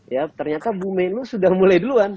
ya ternyata bumen lu sudah mulai duluan